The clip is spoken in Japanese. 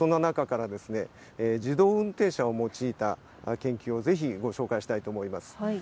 きょうはそんな中から自動運転車を用いた研究をぜひ、ご紹介したいと思います。